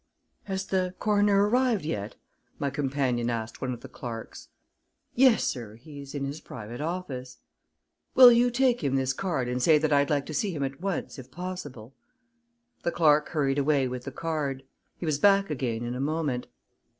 "Has the coroner arrived yet?" my companion asked one of the clerks. "Yes, sir; he's in his private office." "Will you take him this card and say that I'd like to see him at once, if possible?" The clerk hurried away with the card. He was back again in a moment.